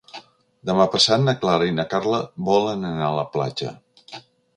Demà passat na Clara i na Carla volen anar a la platja.